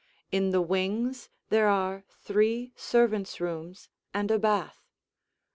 In the wings there are three servants' rooms and a bath.